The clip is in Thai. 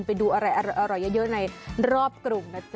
ไปดูอะไรอร่อยเยอะในรอบกรุงนะจ๊